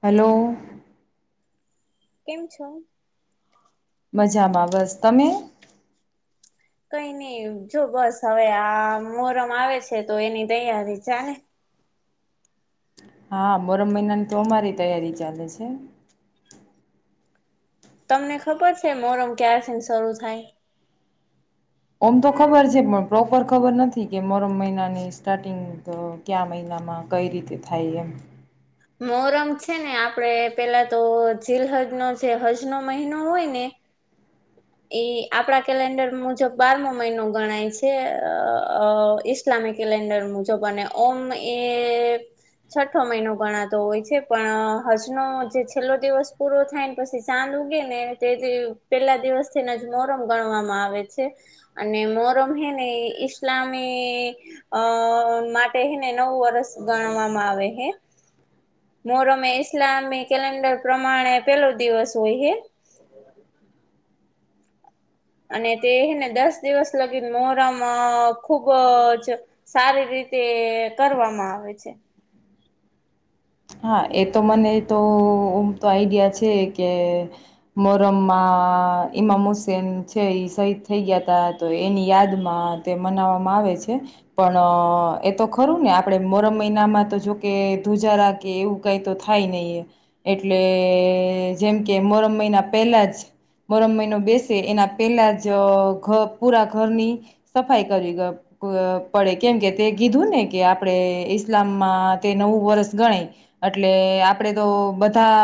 Hello. કેમ છો? મજામાં બસ તમે? કઈ ની જો બસ હવે આ મોહરમ આવે છે તો એની તૈયારી ચાલે. હા મોહરમ મહિનાની તો અમારી તૈયારી ચાલે છે. તમને ખબર છે મોહરમ ક્યાર સન શરૂ થાય. ઓમ તો ખબર છે પણ પ્રોપર ખબર નથી કે મોરમ મહિનાની સ્ટાર્ટિંગ અ કયા મહિનામાં કઈ રીતે થાય એમ. મોહરમ છે ને આપડે પેલા તો જીલહજ નો જે હજ નો મહિનો હોય ને એ આપણા કેલેન્ડર મુજબ બારમો મહિનો ગણાય છે અ ઈસ્લામિક કેલેન્ડર મુજબ અને ઓમ એ છઠ્ઠો મહિનો ગણાતો હોય છે પણ હજનો જે છેલ્લો દિવસ પૂરો થાયને પછી ચાંદ ઉગે ને તેથી પેલા દિવસ તેને જ મોહરમ ગણવામાં આવે છે અને મોહરમ હેને ઈસ્લામી અ માટે હિને નવું વરસ ગણવામાં આવે હે મોહરમ ઈસ્લામી કેલેન્ડર પ્રમાણે પેલો દિવસ હોય હે. અને તે હે ને દસ દિવસ લગીન મોહરમ અ ખુબ જ સારી રીતે કરવામાં આવે છે. હા એ તો મને તો ઓમ આઈડિયા છે કે મોહરમ માં ઈમા હુસેન છે શહીદ થઈ ગીયા હતા તો એની યાદમાં તે મનાવવામાં આવે છે પણ એ તો ખરું ને આપડે મોહરમ મહિનામાં તો જોકે ધુજારા કે એવું કઈ તો થાય નય એટલે જેમ કે મોહરમ મહિના પહેલા જ મોહરમ મહીના બેસે એના પહેલા જ આ ઘર પૂરા ઘરની સફાઈ કરી ગ અ પડે કેમકે તે કીધું ને કે આપણે ઈસ્લામમાં તે નવું વર્ષ ગણાય. અટલે આપડે તો બધા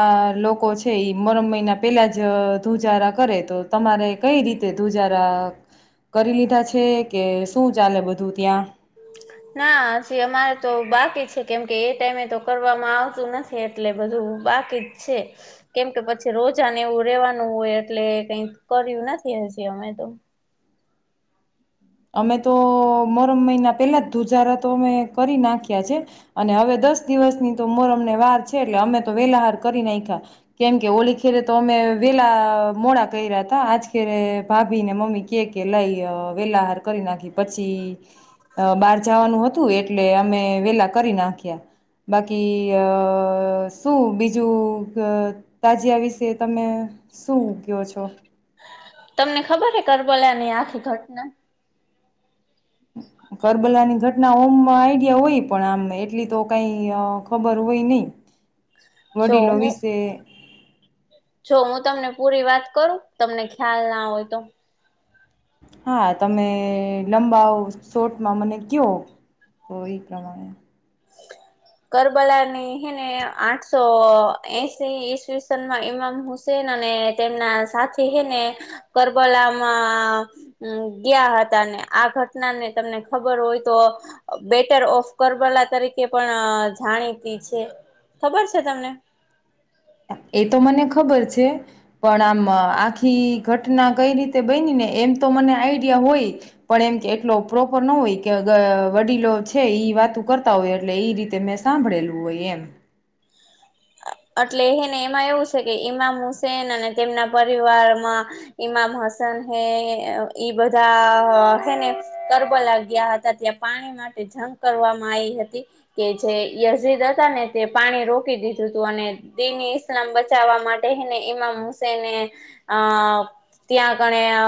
લોકો છે ઈ મોહરમ મહિના પેલા જ ધુજારા કરે તો તમારે કઈ રીતે ધૂજારા કરી લીધા છે કે શું ચાલે બધું ત્યાં? ના હજી અમારે તો બાકી છે કેમકે એ ટાઈમે તો કરવામાં આવતું નથી એટલે બધું બાકી જ છે કેમકે પછી રોજાને એવું રેવાનું હોય એટલે કઈ કર્યું નથી હજી અમે તો. અમે તો મોહરમ મયના પેલા જ ધુજારા તો અમે કરી નાખ્યા છે અને હવે દસ દિવસની તો મોરમ ને વાર છે એટલે અમે તો વેલાહાર કરી નાયખા કેમ કે ઓલીખીરે તો અમે વેલા મોડા કર્યા હતા આજ ખેરે ભાભી ને મમ્મી કે કે લઈ લ્યો વેલાહાર કરી નાખી પછી બાર જાવાનું હતું એટલે અમે વેલા કરી નાખ્યા બાકી અ શું બીજું અ તાજિયા વિશે તમે શું કેવો છો? તમને ખબર કે કરબલા ની આખી ઘટના. કરબલાની ઘટના ઓમમાં આઈડિયા હોય પણ આમ એટલી તો કઈ અ ખબર હોય નઈ. વડીલો વિશે ચો હું તમને પૂરી વાત કરું તમને ખ્યાલ ના હોય તો. હા તમે લંબાઓ શોર્ટમાં મને ક્યો તો એ પ્રમાણે. કરબલા ની હેને આઠસો એસી ઈસ્વીસનમાં ઈમામ હુસેન અને તેમના સાથી હેને કરબલામાં ગીયા હતા ને આ ઘટના ને તમને ખબર હોય તો બેટર ઓફ કરબલા તરીકે પણ જાણીતી છે ખબર છે તમને. એ તો મને ખબર છે પણ આમ આખી ઘટના કઈ રીતે બાંયની ને એમ તો મને આઈડિયા હોય પણ એમ એટલો પ્રોપર ન હોય કે ગ વડીલો છે ઈ વાતો કરતા હોય એટલે ઈ રીતે મેં સાંભળેલું હોય એમ. અ આટલે હે ને એમાં એવું છે કે ઈમામ હુસેન અને તેમના પરિવારમાં ઈમામ હસન હે ઈ બધા હ હે ને કરબલા ગીયા હતા ત્યાં પાણી માટે જંગ કરવામાં આયી હતી કે જે યઝીદ હતા ને તે પાણી રોકી દી દીધું હતું અને દિન ઈસ્લામ બચાવવા માટે હેને ઈમામ હુસેને અ ત્યાં ગણે અ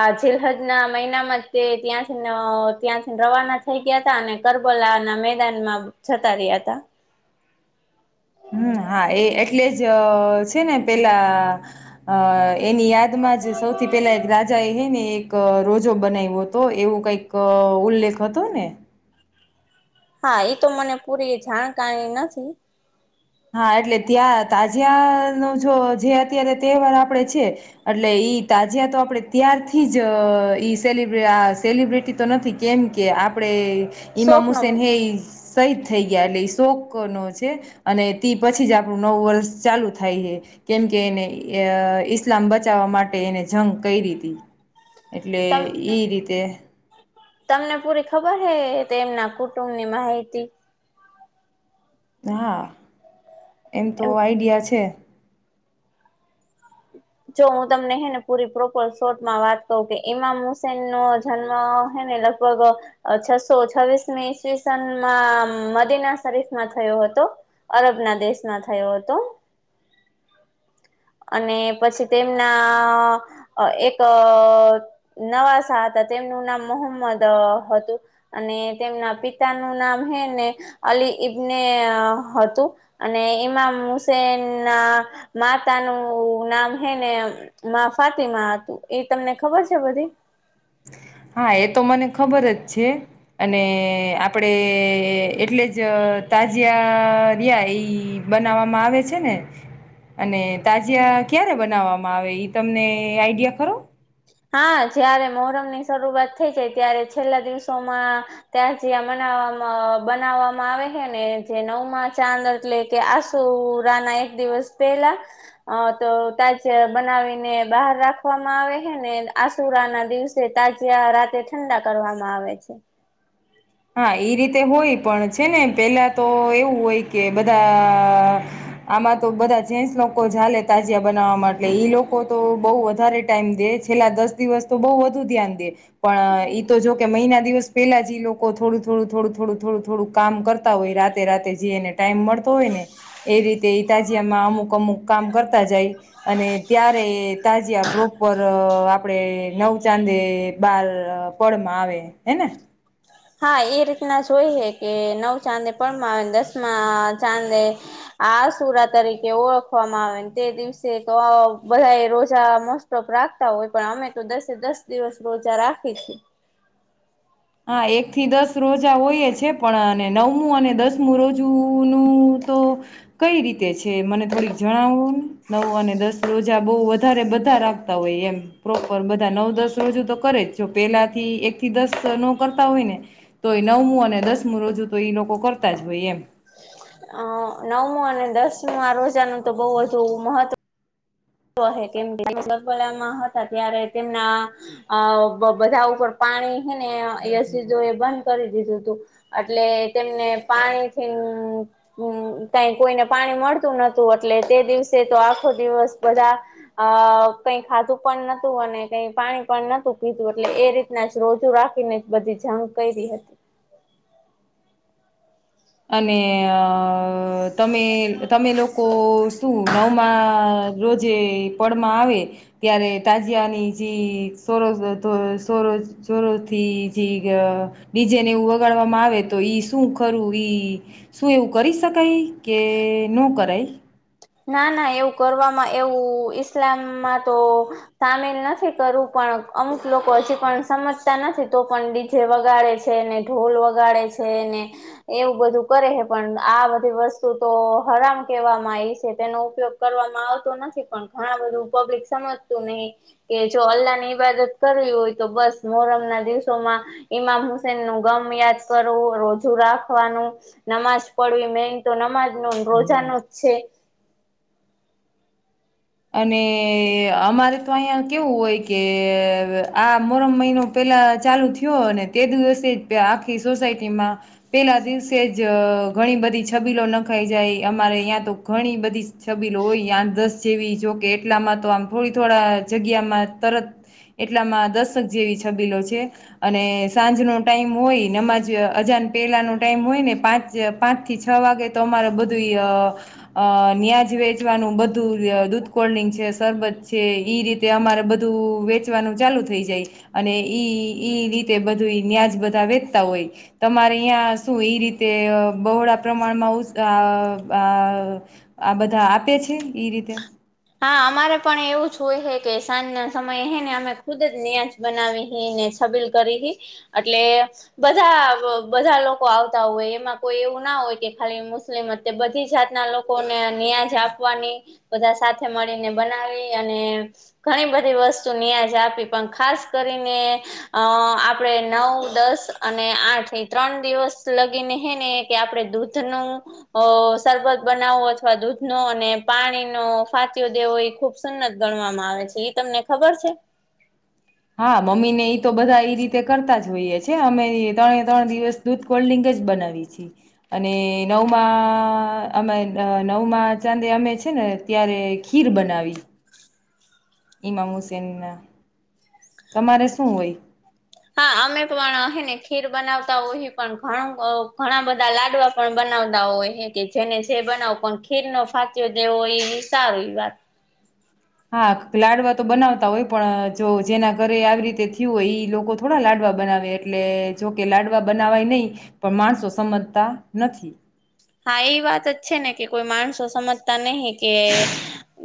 આજીલહદના મહિનામાં તે ત્યાંથી અ ત્યાંથી રવાના થઈ ગયા હતા અને કરબલા ના મેદાનમાં જતા રિયા હતા. હમ્મ હા એ એટલે જ છે ને પેલા અ એની યાદમાં જ સૌથી પેલા એક રાજા એ હે ને એક રોજો બનાઇવો હતો એવું કઈક અ ઉલ્લેખ હતો ને. હા એ તો મને પૂરી જાણકારી નથી. હા એટલે ત્યાં તાજિયા નો જો જે અત્યારે તહેવાર આપડે છે અટલે ઈ તાજિયા તો આપણે ત્યારથી જ ઈ સેલિબ આ સેલિબ્રિટી તો નથી કેમ કે આપડે ઇમામ શોખ નો હુસેન હે શહીદ થઈ ગયા એટલે ઈ શોકનો છે અને તે પછી જ આપણું નવું વર્ષ ચાલુ થાય હે કેમ કે એને અ ઈસ્લામ બચાવવા માટે એને જંગ કૈરી તી એટલે તમ ઈ રીતે તમને પૂરી ખબર હૈ તેમના કુટુંબની માહિતી હા એમ તો આઈડિયા છે જો હું તમને હેને પૂરી પ્રોપર શોટમાં વાત કઉ કે ઈમામ હુસેન નો જન્મ હેને લગભગ છસો છવ્વીસની ઈસવીસનમાં મદીના શરીફમાં થયો હતો અરબ ના દેશમાં થયો હતો અને પછી તેમના એક નવા શાહ હતા તેમનું નામ મોહમ્મદ હતું અને તેમના પિતાનું નામ હે ને અલી ઈબને હતું અને ઈમામ હુસેન ના માતાનું નામ હેને માં ફાતીમાં હતું એ તમને ખબર છે બધી હા એ તો મને ખબર જ છે અને આપડે એટલે જ તાજીયા રયાઈ બનાવવામાં આવે છે ને અને તાજીયા ક્યારે બનાવવામાં આવે એ તમને આઈડિયા ખરો. હા જયારે મોહરમ ની શરૂઆત થઈ જાય ત્યારે છેલ્લા દિવસોમાં ત્યાં જ્યાં મનાવામાં બનાવવામાં આવે હે ને જે નવમાં ચાંદ એટલે કે આસુરા ના એક દિવસ પહેલા તો ત્યાં જ બનાવીને બહાર રાખવામાં આવે. ને આસુરા ના દિવસે તાજીયા રાતે ઠંડા કરવામાં આવે છે. હા ઈ રીતે હોય પણ છે ને પેલા તો એવું હોય કે બધા આમાં તો બધા જેન્સ લોકો હાલે તાજયા બનાવવા માટેલે ઈ લોકો તો બહુ વધારે ટાઈમ દે છેલ્લા દસ દિવસ તો બહુ વધુ ધ્યાન દે પણ ઈ તો જો કે મહિના દિવસ પેલા જ એ લોકો થોડું થોડું થોડું થોડું થોડું થોડું કામ કરતા હોય રાતે રાતે જેઈને ટાઈમ મળતો હોય ને એ રીતે. તાજિયામાં અમુક અમુક કામ કરતા જાય અને ત્યારે તાજિયા પ્રોપર આ આપડે નવ ચાંદે બાર પળમાં આવે હેને? હા એ રીતના જોઈએ કે નવ ચાંદે પળમાં આવેને દસમાં ચાંદે આસુરા તરીકે ઓળખવામાં આવે ને તે દિવસે તો બધા રોજા મોસ્ટ ઓફ રાખતા હોય પણ અમે તો દસે દસ દિવસ રોજા રાખી છી. હા એક થી દસ રોજા હોયએ છે પણ નવમું અને દસમું રોજુ નું તો કઈ રીતે છે મને થોડીક જણાવવું ને નવ અને દસ રોજા બહુ વધારે બધા રાખતા હોય એમ પ્રોપર બધા નવ દસ રોજુ તો કરે જ જો પેલાથી એક થી દસ નો કરતા હોય ને તોએ નવમું અને દસમું રોજુ તો ઈ લોકો કરતા જ હોય એમ. અ નવમું અને દસમું આ રોજાનું તો બઉ વધુ મહત્વ [unintelligible] લામાં હતા ત્યારે તેમના અ બધા ઉપર પાણી હેને યસુદો એ બંધ કરી દીધું હતું એટલે તેમને પાણી થી કઈ કોઈને પાણી મળતું નતું એટલે તે દિવસે તો આખો દિવસ બધા અ કઈ ખાધું પણ નતું અને કઈ પાણી પણ નતું પીધું એટલે એ રીતના જ રોજુ રાખીને બધી જંગ કરી હતી. અને અ તમે તમે લોકો શું નવમાં રોજે પડમાં આવે ત્યારે તાજિયાની જે સો સોરો સોોરોથી જે ડીજેને એવું વગાડવામાં આવે તો ઈ શું ખરું ઈ ઈ શું એવું કરી શકાય કે નો કરાય? ના ના એવું કરવામાં એવું ઈસ્લામમાં તો સામેલ નથી કરવું પણ અમુક લોકો હજી પણ સમજતા નથી તો પણ ડીજે વગાડે છે ને ઢોલ વગાડે છે ને એવું બધું કરે હે પણ આ બધી વસ્તુ તો હરામ કહેવામાં આઇ તેનો ઉપયોગ કરવામાં આવતો નથી પણ ઘણા બધું પબ્લિક સમજતું નહીં કે જો અલ્લાહની ઈબાદત કરવી હોય તો બસ મોહરમના દિવસોમાં ઈમામ હુસેનનું ગમ યાદ કરવું રોજુ રાખવાનું નમાજ પડવી મેન તો નમાજનું ને રોજાનું જ છે. અને અમારે તો અહંયા કેવું હોય કે આ મોરમ મહિનો પેલા ચાલુ થયો ને તે દિવસે આખી સોસાયટીમાં પેલા દિવસે જ ઘણી બધી છબીલો નખાઈ જાય અમારે અયા તો ઘણી બધી છબીલો હોઈ આઠ દસ જેવી જોકે એટલામાં તો આમ થોડી થોડા જગ્યામાં તરત એટલામાં દશક જેવી છબીલો છે અને સાંજનો ટાઈમ હોય નમાજ અજાન પહેલાનો ટાઈમ હોય ને પાંચ પાંચ થી છ વાગે તો અમારે બધું અ અ ન્યાજ વેચવાનું બધું દૂધ કોલ્ડ્રિંક છે, સરરબત છે ઈ રીતે અમારે બધું વેચવાનું ચાલુ થઈ જાય અને ઈ ઈ રીતે બધું ન્યાજ બધા વેચતા હોય તમારે અહીં શું એ રીતે બહોળા પ્રમાણમાં આ આ આ બધા આપે છે એ રીતે હા અમારે પણ એવું જ હોય હે કે સાંજના સમયે હે ને અમે ખુદ જ ન્યાજ બનાવી હી ને છબીલ કરી હી અટલે બધા બધા લોકો આવતા હોય એમાં કોઈ એવું ના હોય કે ખાલી મુસ્લિમ જ કે બધી જાતના લોકોને ન્યાજ આપવાની બધા સાથે મળીને બનાવી અને ઘણી બધી વસ્તુ ન્યાજ આપી પણ ખાસ કરીને અ આપણે નવ દસ અને આઠ ઈ ત્રણ દિવસ લગીને હે ને કે આપણે દૂધનું અ શરબત બનાવવું અથવા દૂધનો અને પાણીનો ફાતિહો દેવો ઈ ખુબ સુન્નત ગણવામાં આવે છે, ઈ તમને ખબર છે? હા મમ્મી ને ઈ તો બધા ઈ રીતે કરતા જ હોઈએ છે, અમે ઈ તણે તણ દિવસ દૂધ કોલ્ડ્રિંક જ બનાવી છી, અને નવમાં અમે નવમાં ચાંદે અમે છે ને ત્યારે ખીર બનાવી. ઈમામ હુસેન ના. તમારે શું હોય? હા અમે પણ હેને ખીર બનાવતા હોહી, પણ ઘણું ઘણા બધા લાડવા પણ બનાવતા હોય હે, કે જેને જે બનાવું પણ ખીરનો ફાતિયો દેવો ઈ સારું ઈ વાત. હા. લાડવા તો બનાવતા હોય પણ જો જેના ઘરે આવી રીતે થયું હોય ઈ લોકો થોડા લાડવા બનાવે, એટલે જોકે લાડવા બનાવાય નહીં, પણ માણસો સમજતા નથી. હા ઈ વાત જ છે ને, કે કોઈ માણસો સમજતા નહિ કે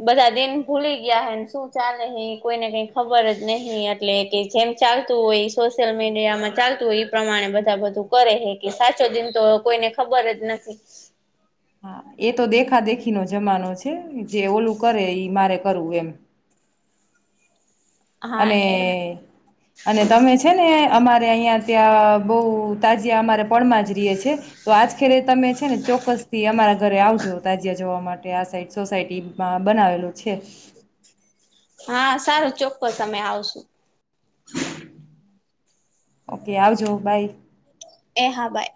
બધા દિન ભૂલી ગયા હેન, શું ચાલે હે ઈ કોઈને કાંઈ ખબર જ નહિં એટલે કે જેમ ચાલતું હોય સોશિયલ મીડિયામાં ચાલતું હોય, ઈ પ્રમાણે બધા બધું કરે હે, કે સાચો દિન તો કોઈને ખબર જ નથી. હા. એ તો દેખા દેખી નો જમાનો છે, જે ઓલું કરે ઈ મારે કરવું એમ. હા એ અને-અને તમે છે ને અમારે અહિયાં જ જ્યાં બઉ તાજયા અમારે પણમાં જ રહીએ છે તો આજ ખેરે તમે છે ને ચોક્કસ થી અમારા ઘરે આવજો તાજિયા જોવા માટે આ સાઈડ સોસાયટીમાં બનાવેલુ છે. હા સારું ચોક્કસ અમે આવશું. ઓકે આવજો બાય. એ હા બાઈ.